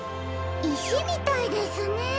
いしみたいですね。